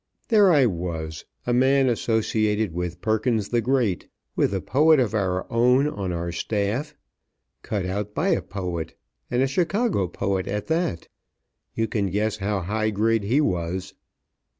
There I was, a man associated with Perkins the Great, with a poet of our own on our staff, cut out by a poet, and a Chicago poet at that. You can guess how high grade he was.